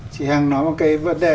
chị hằng nói một cái vấn đề